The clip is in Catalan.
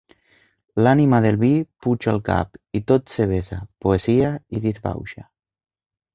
L'ànima del vi puja al cap, i tot se vessa, poesia, i disbauxa.